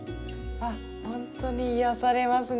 あっほんとに癒やされますね。